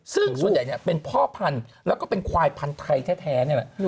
ซึ่งส่วนใหญ่เนี่ยเป็นพ่อพันธุ์แล้วก็เป็นควายพันธุ์ไทยแท้นี่แหละ